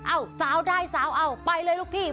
อ้าวสาวได้สาวอ้าวไปเลยลูกพี่